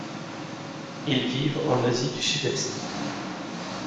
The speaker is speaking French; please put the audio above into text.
Ils vivent en Asie du Sud-est.